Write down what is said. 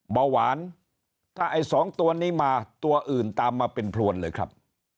เบาหวานถ้าไอ้สองตัวนี้มาตัวอื่นตามมาเป็นพลวนเลยครับ